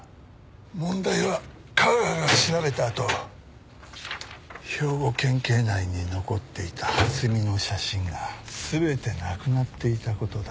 問題は架川が調べたあと兵庫県警内に残っていた蓮見の写真が全てなくなっていた事だ。